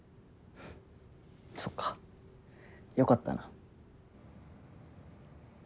そっかよかったな。